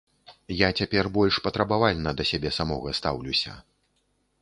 Я цяпер больш патрабавальна да сябе самога стаўлюся.